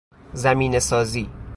زمینه سازی